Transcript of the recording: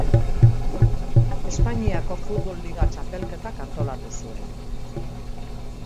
Espainiako futbol liga txapelketak antolatu zuen.